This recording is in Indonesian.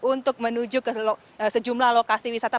untuk menuju ke sejumlah lokasi wisata